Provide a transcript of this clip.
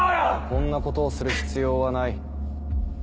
こんなことをする必要はない。